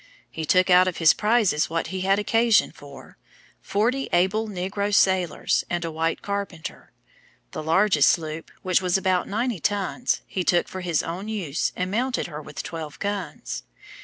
He took out of his prizes what he had occasion for, forty able negro sailors, and a white carpenter. The largest sloop, which was about ninety tons, he took for his own use, and mounted her with 12 guns.